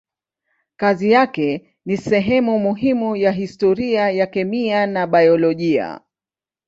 Kazi yake ni sehemu muhimu ya historia ya kemia na biolojia.